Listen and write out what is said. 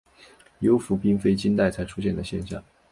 幽浮并非近代才出现的现象。